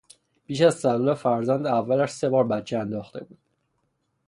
پیش از تولد فرزند اولش سه بار بچه انداخته بود.